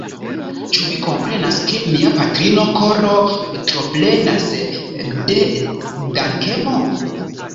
Ĉu vi komprenas ke mia patrino koro troplenas de dankemo?